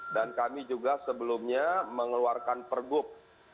dan kami juga sebelumnya mengeluarkan pergub